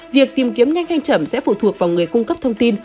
việc tìm kiếm nhanh hay chậm sẽ phụ thuộc vào người cung cấp thông tin